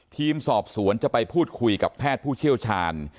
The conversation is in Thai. ทีมสอบสวนจะไปพูดคุยกับแพทย์ผู้เชี่ยวชาญ